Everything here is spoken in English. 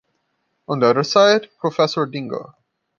On the other side, Professor Dingo.